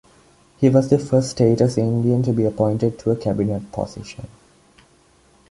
He was the first Status Indian to be appointed to a cabinet position.